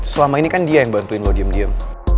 selama ini kan dia yang bantuin lo diem diem